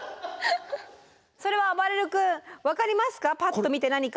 それはあばれる君分かりますか？